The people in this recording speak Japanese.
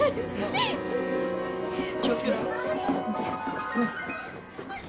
気をつけろ。